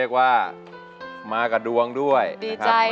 ร้องได้ร้องได้